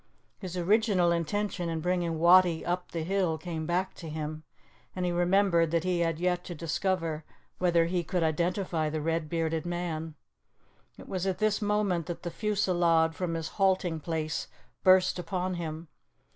His original intention in bringing Wattie up the hill came back to him, and he remembered that he had yet to discover whether he could identify the red bearded man. It was at this moment that the fusillade from his halting place burst upon him.